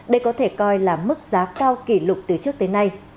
đây có thể coi là mức giá cao kỷ lục từ trước tới nay